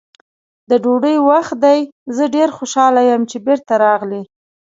د ډوډۍ وخت دی، زه ډېر خوشحاله یم چې بېرته راغلې.